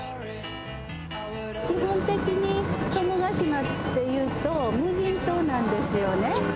基本的に友ヶ島っていうと無人島なんですよね。